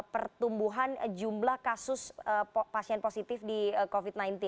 pertumbuhan jumlah kasus pasien positif di covid sembilan belas